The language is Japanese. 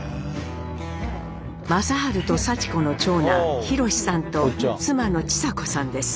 正治とさち子の長男宏さんと妻の治佐子さんです。